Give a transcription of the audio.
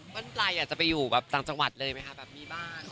ต้นปลายอยากจะไปอยู่แบบต่างจังหวัดเลยไหมคะแบบมีบ้าน